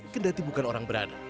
kendati bukan orang berada